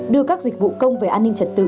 đưa các dịch vụ công về an ninh trật tự